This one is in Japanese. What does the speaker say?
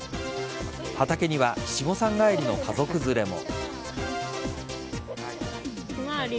畑には七五三帰りの家族連れも。